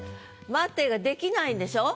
「待て」ができないんでしょ？